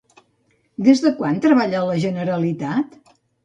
Des de quan treballa a la Generalitat?